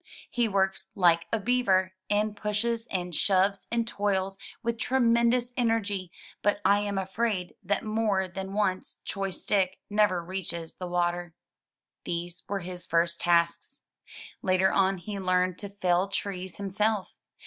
He works like a beaver y and pushes and shoves and toils with tremendous energy, but I am afraid that more than one choice stick never reaches the water. 120 THROUGH FAIRY HALLS These were his first tasks. Later on he learned to fell trees himself.